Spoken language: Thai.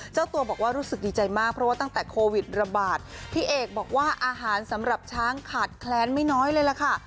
เจ้าตัวบอกว่ารู้สึกดีใจมากเพราะว่าตั้งแต่โควิดระบาดพี่เอกบอกว่าอาหารสำหรับช้างขาดแคลนไม่น้อยเลยล่ะค่ะ